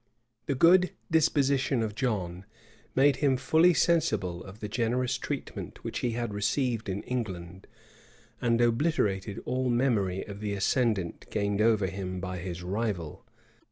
[*] The good disposition of John made him fully sensible of the generous treatment which he had received in England, and obliterated all memory of the ascendant gained over him by his rival.